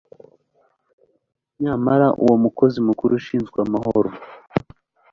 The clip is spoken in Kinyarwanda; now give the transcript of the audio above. Nyamara uwo mukozi mukuru ushinzwe amahoro